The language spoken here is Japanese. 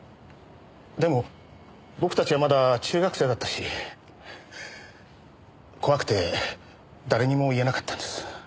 でも僕たちはまだ中学生だったし怖くて誰にも言えなかったんです。